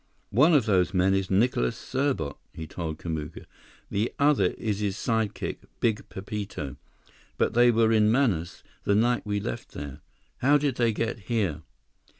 "One of those men is Nicholas Serbot," he told Kamuka. "The other is his sidekick, Big Pepito. But they were in Manaus, the night we left there. How did they get here?"